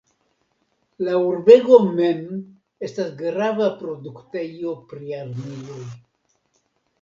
La urbego mem estas grava produktejo pri armiloj.